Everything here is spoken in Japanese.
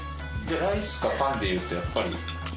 ライスかパンでいうとやっぱり。